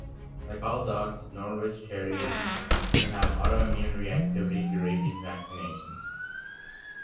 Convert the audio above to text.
Like all dogs, Norwich Terriers can have autoimmune reactivity to rabies vaccinations.